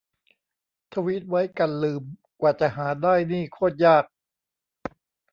ทวีตไว้กันลืม กว่าจะหาได้นี่โคตรยาก